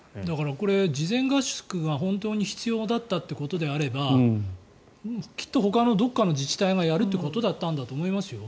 これは事前合宿が本当に必要だったということであればきっとほかのどこかの自治体がやるということだったんだと思いますよ。